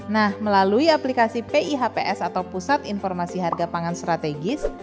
nah melalui aplikasi pihps atau pusat informasi harga pangan strategis